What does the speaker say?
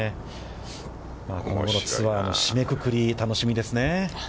今後のツアーの締めくくり楽しみですね。